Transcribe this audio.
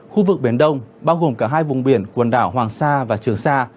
khu vực biển đông bao gồm cả hai vùng biển quần đảo hoàng sa và trường sa